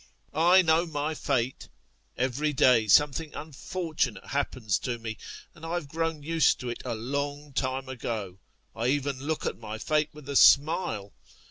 I know my fate, every day something unfortunate happens to me, and I've grown used to it a long time ago, I even look at my fate with a smile.